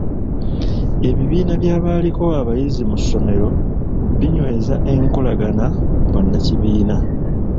Ebibiina by'abaaliko abayizi mu ssomero binyweza enkolagana mu bannakibiina.